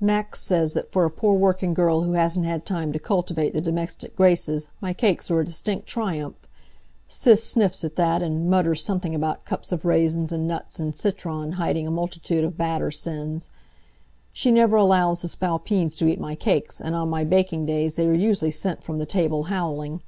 Max says that for a poor working girl who hasn't had time to cultivate the domestic graces, my cakes are a distinct triumph. Sis sniffs at that, and mutters something about cups of raisins and nuts and citron hiding a multitude of batter sins. She never allows the Spalpeens to eat my cakes, and on my baking days they are usually sent from the table howling.